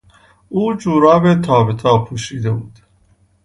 او جوراب تا به تا پوشیده بود.